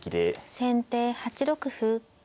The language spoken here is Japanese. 先手８六歩。